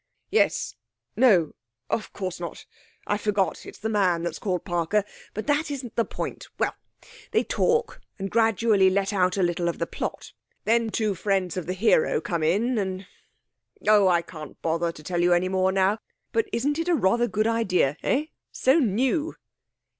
'Yes no of course not. I forgot; it's the man that's called Parker. But that isn't the point. Well, they talk, and gradually let out a little of the plot. Then two friends of the hero come in, and oh, I can't bother to tell you any more now; but isn't it rather a good idea, eh? So new!'